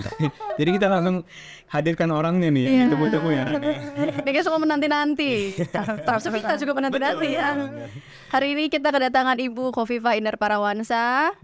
hari ini kita kedatangan ibu hovifa inder parawansa